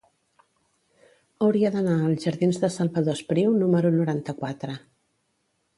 Hauria d'anar als jardins de Salvador Espriu número noranta-quatre.